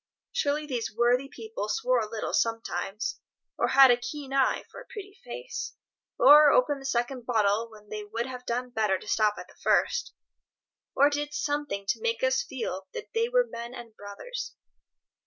Surely these worthy people swore a little sometimes, or had a keen eye for a pretty face, or opened the second bottle when they would have done better to stop at the first, or did something to make us feel that they were men and brothers.